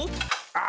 あ！